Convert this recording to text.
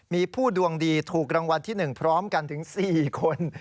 มีผู้ดวงดีถูกรางวัลที่๑พร้อมกันถึง๔คน